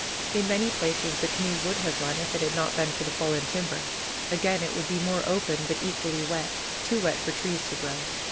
In many places the canoe would have run if it had not been for the fallen timber. Again it would be more open, but equally wet, too wet for trees to grow.